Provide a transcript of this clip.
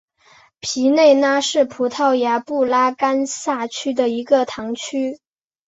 皮内拉是葡萄牙布拉干萨区的一个堂区。